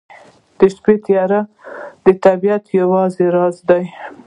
د شپې تیاره د طبیعت یو راز لري.